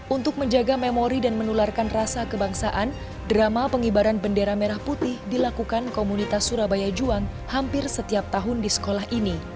untuk menjaga memori dan menularkan rasa kebangsaan drama pengibaran bendera merah putih dilakukan komunitas surabaya juang hampir setiap tahun di sekolah ini